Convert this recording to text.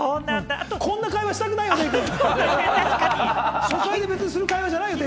こんな会話をしたくないよ、デイくん。